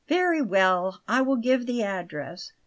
"Very well; I will give the address."